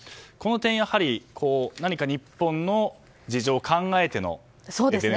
この点何か日本の事情を考えての。